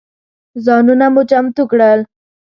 ځانونه مو چمتو کړل.